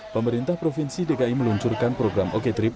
pemerintah provinsi dki meluncurkan program oko trip